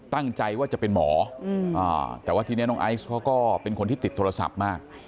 ตั้งใจว่าจะเป็นหมอแต่ว่าทีนี้น้องไอซ์เขาก็เป็นคนที่ติดโทรศัพท์มาก